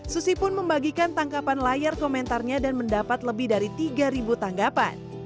susi pun membagikan tangkapan layar komentarnya dan mendapat lebih dari tiga tanggapan